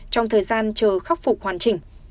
trong thời gian chờ khắc phục hoàn chỉnh